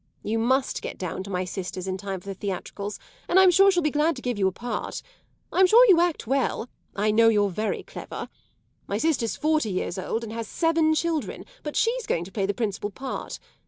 You must get down to my sister's in time for the theatricals, and I'm sure she'll be glad to give you a part. I'm sure you act well; I know you're very clever. My sister's forty years old and has seven children, but she's going to play the principal part.